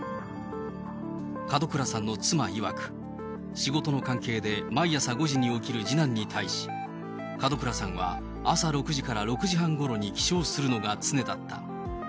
門倉さんの妻いわく、仕事の関係で毎朝５時に起きる次男に対し、門倉さんは朝６時から６時半ごろに起床するのが常だった。